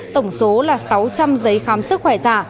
tổng số là sáu trăm linh giấy khám sức khỏe giả